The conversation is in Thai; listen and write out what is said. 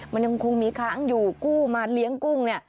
มันยังคงมีค้างอยู่กู้มาเลี้ยงกุ้งเนี่ย